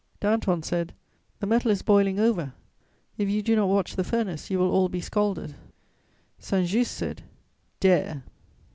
Danton said: "The metal is boiling over; if you do not watch the furnace, you will all be scalded." Saint Just said: "Dare!"